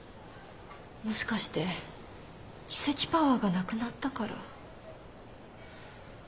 もしかしてキセキパワーがなくなったから？